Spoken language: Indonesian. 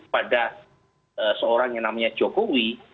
pada seorang yang namanya jokowi